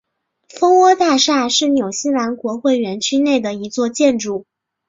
蜂窝大厦是纽西兰国会园区内的一座建筑。